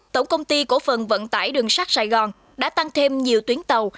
tổng công ty cổ phần vận tải đường sắt sài gòn đã tăng thêm nhiều tuyến tàu